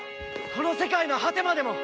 この世界の果てまでも！